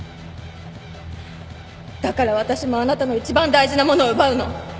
だから私もあなたの一番大事なものを奪うの。